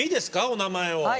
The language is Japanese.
お名前を。